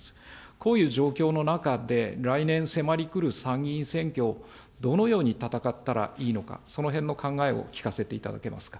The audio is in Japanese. こういう状況の中で、来年、迫りくる参議院選挙をどのように戦ったらいいのか、そのへんの考えを聞かせていただけますか。